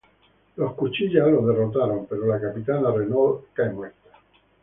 Los Cuchillas los derrotan, pero la capitana, Renault, cae muerta.